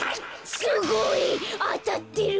すごい！あたってる！